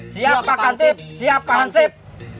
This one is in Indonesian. siap pak khamtib siap pak hansip